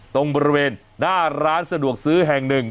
ตรงบริเวณหน้าร้านสะดวกซื้อแห่งหนึ่ง